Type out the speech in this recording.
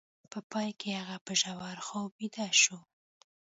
په پای کې هغه په ژور خوب ویده شو